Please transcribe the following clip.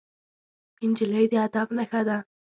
نجلۍ د ادب نښه ده.